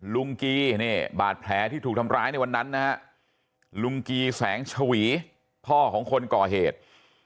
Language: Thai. กีนี่บาดแผลที่ถูกทำร้ายในวันนั้นนะฮะลุงกีแสงชวีพ่อของคนก่อเหตุ